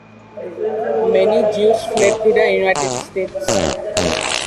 Many Jews fled to the United States.